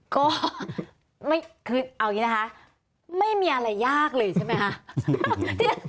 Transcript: ก็คือเอาอย่างนี้นะคะไม่มีอะไรยากเลยใช่ไหมคะ